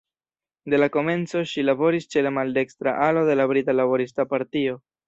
De la komenco ŝi laboris ĉe la maldekstra alo de la Brita Laborista Partio.